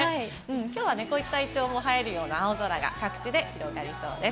きょうはこういったイチョウも映えるような青空が各地で広がりそうです。